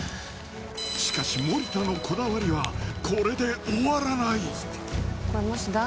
しかし森田のこだわりはこれで終わらない！